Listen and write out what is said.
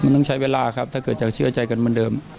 มันต้องใช้เวลาครับถ้าเกิดจะเชื่อใจกันเหมือนเดิม